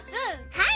はい。